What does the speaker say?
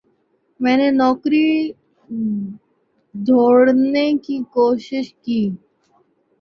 میں نے نوکری ڈھوڑھنے کی کوشش کی۔